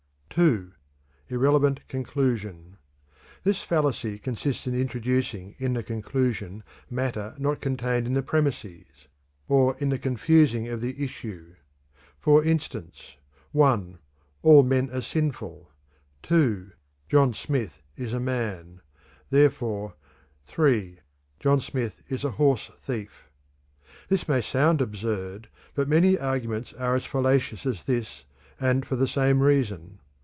II. Irrelevant Conclusion. This fallacy consists in introducing in the conclusion matter not contained in the premises, or in the confusing of the issue. For instance: (1) All men are sinful; (2) John Smith is a man; therefore (3) John Smith is a horse thief. This may sound absurd, but many arguments are as fallacious as this, and for the same reason.